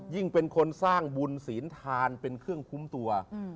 ยิ่งเป็นคนสร้างบุญศีลทานเป็นเครื่องคุ้มตัว